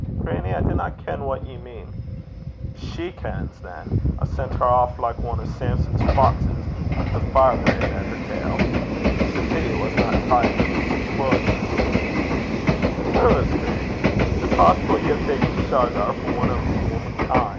'Grannie, I dinna ken what ye mean.' 'She kens, than. I sent her aff like ane o' Samson's foxes, wi' a firebrand at her tail. It's a pity it wasna tied atween the twa o' ye.' 'Preserve 's, grannie! Is't possible ye hae ta'en Shargar for ane o' wumman kin'?'